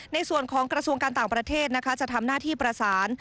ในส่วนของกระทรวงการต่างประเทศนะคะจะทำหน้าที่ประสาน